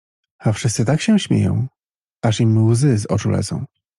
A wszyscy tak się śmieją, aż im łzy z oczu lecą.